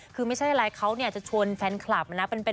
คือไม่ใช่อะไรเขาเนี้ยจะชวนแฟนคลับนะเป็นเป็น